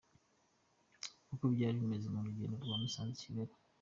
Uko byari bimeze mu rugendo rwa Musanze-Kigali .